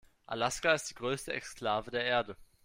Alaska ist die größte Exklave der Erde.